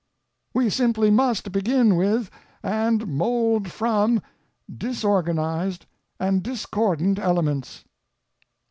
We simply must begin with, and mould from, disorganized and discordant elements.